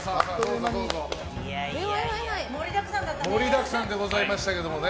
盛りだくさんでございました。